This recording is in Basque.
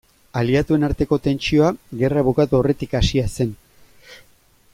Aliatuen arteko tentsioa gerra bukatu aurretik hasia zen.